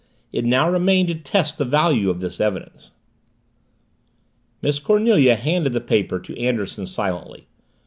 It now remained to test the value of this evidence. Miss Cornelia handed the paper to Anderson silently.